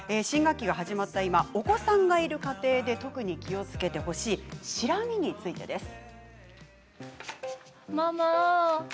新学期が始まった今お子さんがいる家庭で特に気をつけてほしいシラミについてです。